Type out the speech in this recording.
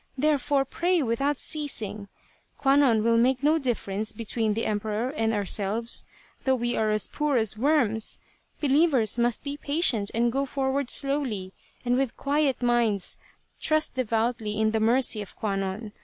Therefore, pray without ceasing. Kwannon will make 1 68 Tsubosaka no difference between the Emperor and ourselves, though we are as poor as worms. Believers must be patient and go forward slowly, and with quiet minds trust devoutly in the mercy of Kwannon.